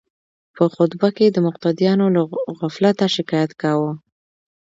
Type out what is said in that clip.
په خطبه کې د مقتدیانو له غفلته شکایت کاوه.